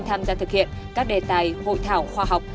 tham gia thực hiện các đề tài hội thảo khoa học